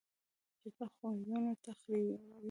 جګړه خویونه تریخوي